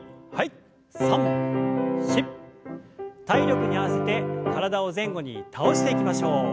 体力に合わせて体を前後に倒していきましょう。